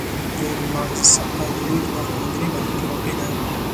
د مغز ساقه د لوی دماغ په لاندنۍ برخه کې واقع ده.